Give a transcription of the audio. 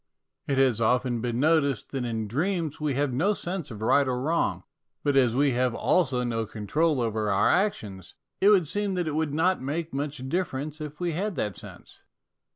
It has often been noticed that in dreams we have no sense of right or wrong ; but as we have also no control over our actions, it would seem that it would not make much difference if we had that sense.